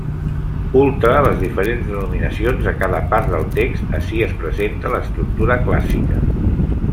Ultra les diferents denominacions de cada part del text, ací es presenta l'estructura clàssica.